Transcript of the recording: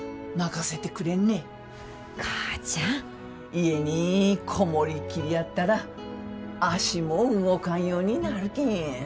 家に籠もりきりやったら足も動かんようになるけん。